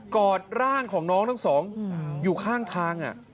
อดร่างของน้องทั้งสองอยู่ข้างทาง